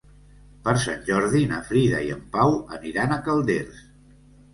Per Sant Jordi na Frida i en Pau aniran a Calders.